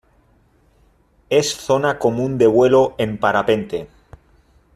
Es zona común de vuelo en parapente.